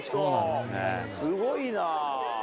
すごいな。